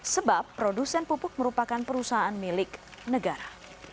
sebab produsen pupuk merupakan perusahaan milik negara